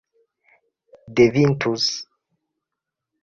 devintus